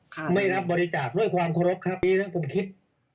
ก็ไม่รับบริจาคด้วยความโคร็บครับมีเรื่องผมคิด